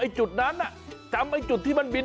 ไอจุดนั้นน่ะจำไอจุดที่มันบิน